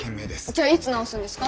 じゃあいつ直すんですか？